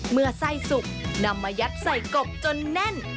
เมื่อไส้สุกนำมายัดใส่กบจนแน่น